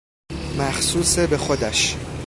مخصوص به خودش